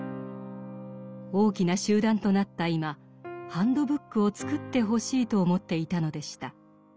大きな集団となった今ハンドブックを作ってほしいと思っていたのでした。